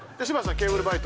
ケーブルバイト。